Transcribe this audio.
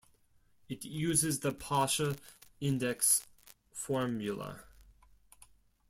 It uses the Paasche Index Formula.